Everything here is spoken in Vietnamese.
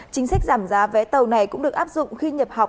chính sách giảm giá vé tàu này cũng được áp dụng khi nhập học